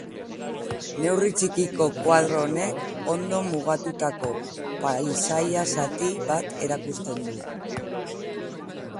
Neurri txikiko koadro honek ondo mugatutako paisaia-zati bat erakusten du.